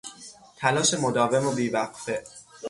تلاش مداوم و بیوقفه